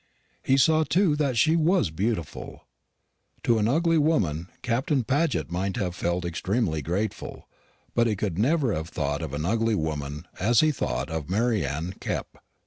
He saw too that she was beautiful. To an ugly woman Captain Paget might have felt extremely grateful; but he could never have thought of an ugly woman as he thought of Mary Anne Kepp.